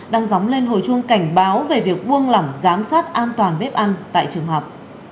đang dóng lên hồi chuông cảnh báo về việc buông lỏng giám sát an toàn bếp ăn tại trường học